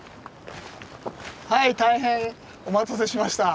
はい大変お待たせしました。